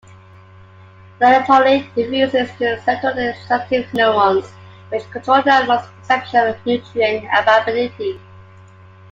Serotonin diffuses to serotonin-sensitive neurons, which control the animal's perception of nutrient availability.